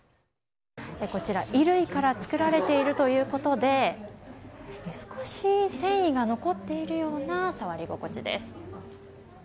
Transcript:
こちら、衣類から作られているということで少し、繊維が残っているような触り心地です。